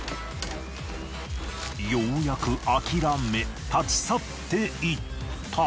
ようやく諦め立ち去っていった。